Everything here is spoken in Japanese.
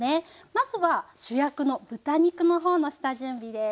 まずは主役の豚肉の方の下準備です。